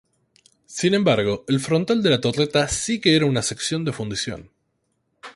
Sin embargo el frontal de la torreta sí que era una sección de fundición.